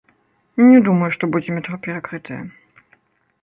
Не думаю, што будзе метро перакрытае.